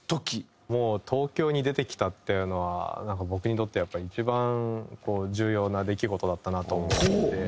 もう東京に出てきたっていうのはなんか僕にとってやっぱり一番こう重要な出来事だったなと思うんで。